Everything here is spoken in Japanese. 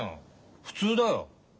普通だよ。